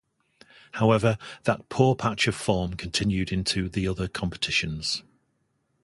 However, that poor patch of form continued into the other competitions.